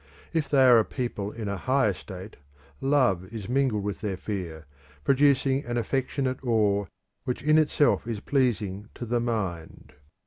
If they are a people in a higher state love is mingled with their fear, producing an affectionate awe which in itself is pleasing to the mind.